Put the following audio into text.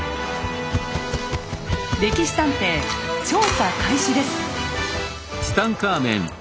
「歴史探偵」調査開始です。